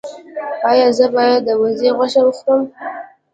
ایا زه باید د وزې غوښه وخورم؟